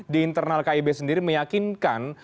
di internal kib sendiri meyakinkan